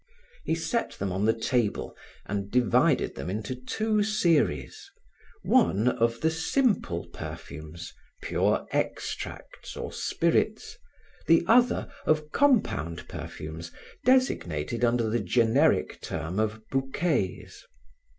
He set them on the table and divided them into two series: one of the simple perfumes, pure extracts or spirits, the other of compound perfumes, designated under the generic term of bouquets.